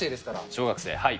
小学生、はい。